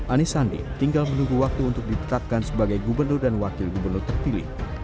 anis sandi tinggal menunggu waktu untuk ditetapkan sebagai gubernur dan wakil gubernur terpilih